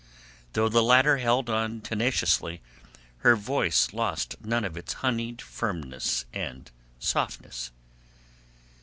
Though the latter held on tenaciously, her voice lost none of its honeyed firmness and softness.